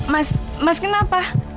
mas mas kenapa